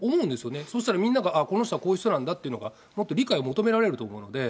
そうしたらみんなが、ああ、この人はこういう人なんだというのがもっと理解を求められると思うので。